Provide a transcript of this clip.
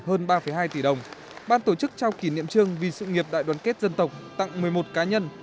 hơn ba hai tỷ đồng ban tổ chức trao kỷ niệm trương vì sự nghiệp đại đoàn kết dân tộc tặng một mươi một cá nhân